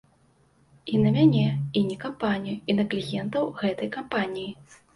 І на мяне, і не кампанію, і на кліентаў гэтай кампаніі.